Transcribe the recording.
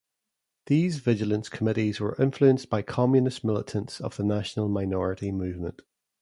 These vigilance committees were influenced by communist militants of the National Minority Movement.